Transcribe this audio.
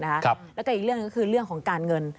แล้วก็อีกเรื่องหนึ่งก็คือเรื่องของการเงิน